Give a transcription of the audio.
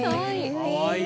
かわいい！